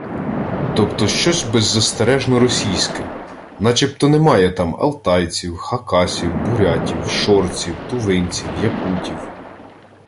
Тобто щось беззастережно російське, начебто немає там алтайців, хакасів, бурятів, шорців, тувинців, якутів…